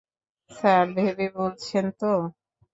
Sir, ভেবে বলছেন তো?